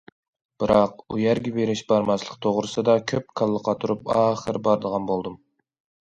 بىراق ئۇ يەرگە بېرىش- بارماسلىق توغرىسىدا كۆپ كاللا قاتۇرۇپ ئاخىر بارىدىغان بولدۇم.